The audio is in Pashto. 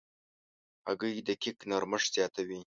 هګۍ د کیک نرمښت زیاتوي.